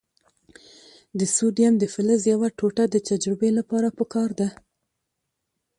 د سوډیم د فلز یوه ټوټه د تجربې لپاره پکار ده.